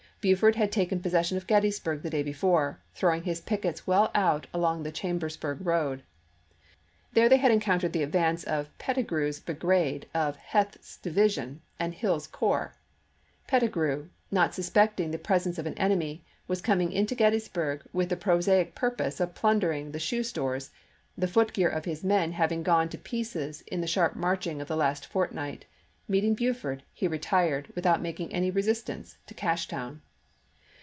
Buford had taken possession of Gettysburg the day before, throwing his pickets well out along the Chambers burg road. There they had encountered the ad vance of Petti grew's brigade of Heth's division and Hill's corps; Pettigrew, not suspecting the pres ence of an enemy, was coming into Gettysburg with the prosaic purpose of plundering the shoe stores, the foot gear of his men having gone to pieces in the sharp marching of the last fortnight ; meeting Buford, he retired, without making any resistance, to Cashtown.